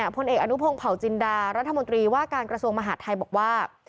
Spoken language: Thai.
พลเอกอนุพงศ์เผาจินดารัฐมนตรีว่าการกระทรวงมหาดไทยบอกว่า